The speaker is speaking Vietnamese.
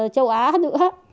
châu á nữa